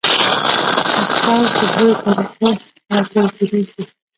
اسفالټ په دریو طریقو سره اچول کېدای شي